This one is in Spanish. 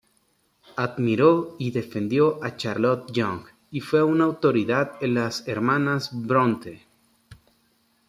Admiró y defendió a Charlotte Yonge y fue una autoridad en las hermanas Brontë.